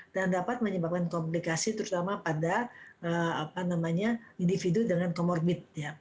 dan dapat menyebabkan komplikasi terutama pada apa namanya individu dengan comorbid ya